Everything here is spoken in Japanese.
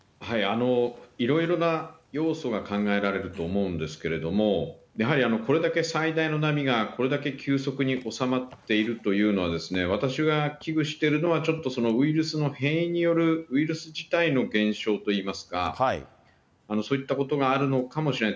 いろいろな要素が考えられる思うんですけれども、やはりこれだけ最大の波が、これだけ急速に収まっているというのは、私は危惧してるのは、ちょっとそのウイルスの変異による、ウイルス自体の減少といいますか、そういったことがあるのかもしれない。